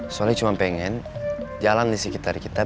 soalnya cuma pengen jalan di sekitar kita